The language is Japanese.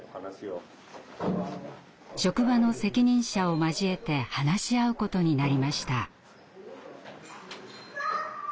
職場の責任者を交えて話し合うことになりました。